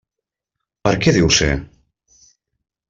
Per què deu ser?